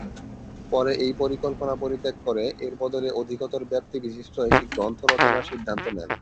পরে এই পরিকল্পনা পরিত্যাগ করে, এর বদলে অধিকতর ব্যাপ্তি-বিশিষ্ট একটি গ্রন্থ রচনার সিদ্ধান্ত নেন।